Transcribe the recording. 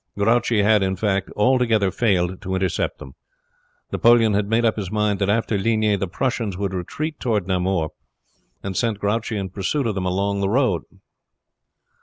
Grouchy had, in fact, altogether failed to intercept them. Napoleon had made up his mind that after Ligny the Prussians would retreat toward Namur, and sent Grouchy in pursuit of them along that road.